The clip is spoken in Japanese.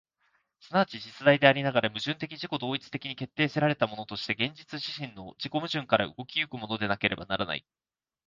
即ち実在でありながら、矛盾的自己同一的に決定せられたものとして、現実自身の自己矛盾から動き行くものでなければならない。